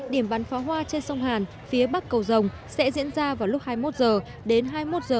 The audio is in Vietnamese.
điểm bán pháo hoa trên sông hàn phía bắc cầu rồng sẽ diễn ra vào lúc hai mươi một h đến hai mươi một h một mươi bốn